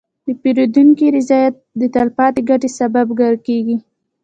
د پیرودونکي رضایت د تلپاتې ګټې سبب کېږي.